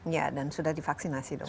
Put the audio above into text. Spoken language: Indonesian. ya dan sudah divaksinasi dok